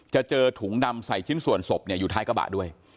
เจอถุงดำใส่ชิ้นส่วนศพอยู่ท้ายกระบะด้วย